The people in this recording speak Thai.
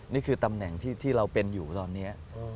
นี่คือตำแหน่งที่เราเป็นอยู่ตอนนี้